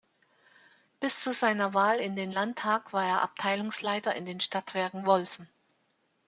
Bis zu seiner Wahl in den Landtag war er Abteilungsleiter in den Stadtwerken Wolfen.